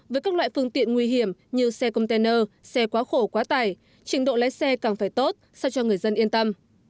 với các loại phương tiện nguy hiểm như xe container xe quá khổ quá tải trình độ lái xe càng phải tốt sao cho người dân yên tâm